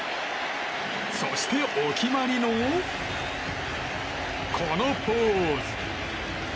そして、お決まりのこのポーズ。